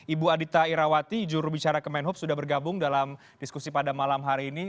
ibu adita irawati jurubicara kemenhub sudah bergabung dalam diskusi pada malam hari ini